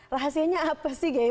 rahasianya apa sih kiai